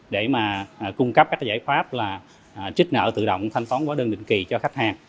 để cung cấp các giải pháp trích nợ tự động thanh toán quá đơn định kỳ cho khách hàng